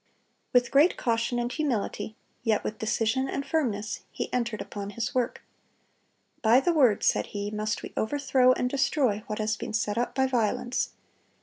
(272) With great caution and humility, yet with decision and firmness, he entered upon his work. "By the Word," said he, "must we overthrow and destroy what has been set up by violence.